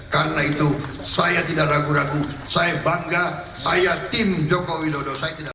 karena itu saya tidak ragu ragu saya bangga saya tim jokowi dodo